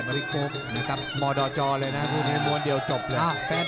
บริโภคนะครับมอดด่อจอเลยนะครับพรุ่งนี้ม้วนเดียวจบเลย